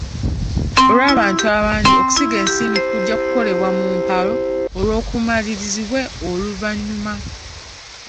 Olw'abantu abangi, okusiga ensimbi kujja kukolebwa mu mpalo olwo kumalirizibwe luvannyuma.